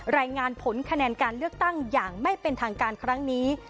รายงานผลคะแนนการเลือกตั้งอย่างไม่เป็นทางการครั้งนี้